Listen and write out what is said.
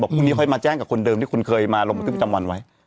พรุ่งนี้ค่อยมาแจ้งกับคนเดิมที่คุณเคยมาลงบันทึกประจำวันไว้